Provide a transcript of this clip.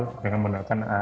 jadi itu yang menurut saya